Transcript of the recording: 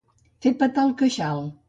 Fer petar el queixal.